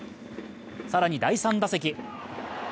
更に第３打席。